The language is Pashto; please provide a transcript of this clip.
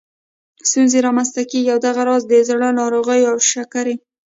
ستونزې رامنځته کېږي او دغه راز د زړه ناروغیو او شکرې